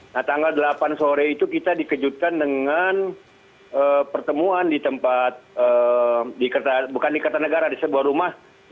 nah tanggal delapan sore itu kita dikejutkan dengan pertemuan di tempat bukan di kertanegara di sebuah rumah